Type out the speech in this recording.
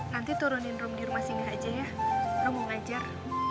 nanti turunin rum di rumah singgah aja ya rum mau ngajar